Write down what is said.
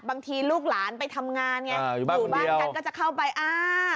ลูกหลานไปทำงานไงอยู่บ้านกันก็จะเข้าไปอ่า